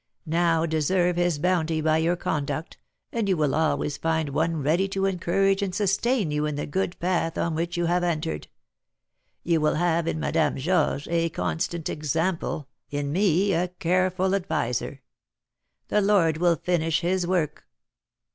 Now deserve his bounty by your conduct, and you will always find one ready to encourage and sustain you in the good path on which you have entered. You will have in Madame Georges a constant example, in me a careful adviser. The Lord will finish his work."